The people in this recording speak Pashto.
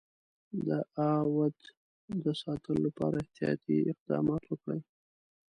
د اَوَد د ساتلو لپاره احتیاطي اقدامات وکړي.